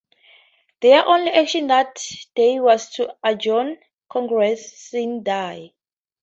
Their only action that day was to adjourn Congress "sine die".